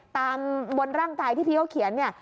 บนร่างกายที่พี่เขาเขียนเนี่ย